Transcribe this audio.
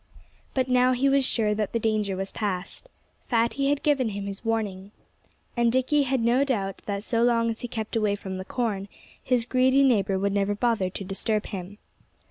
But now he was sure that that danger was past. Fatty had given him his warning. And Dickie had no doubt that so long as he kept away from the corn his greedy neighbor would never bother to disturb him.